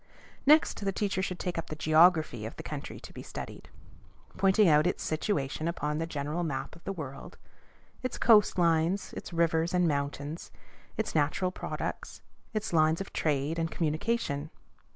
Next, the teacher should take up the geography of the country to be studied; pointing out its situation upon the general map of the world, its coast lines, its rivers and mountains, its natural products, its lines of trade and communication.